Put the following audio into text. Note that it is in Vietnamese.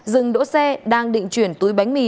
dừng đỗ xe đang định chuyển túi bánh mì